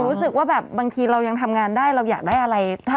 เราก็ทำงานและใช้เห็น